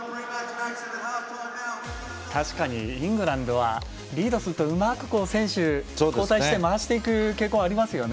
確かにイングランドはリードするとうまく選手交代して回していく傾向ありますよね。